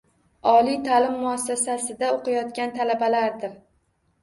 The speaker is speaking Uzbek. Oliy taʼlim muassasasida oʻqiyotgan talabalardir